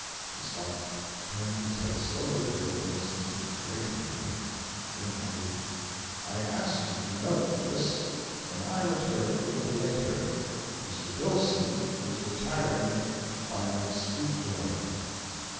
He stopped, turned his head slowly toward Billson, waited a moment, then added: "I ask you to note this; when I returned, a little latter, Mr. Billson was retiring by my street door."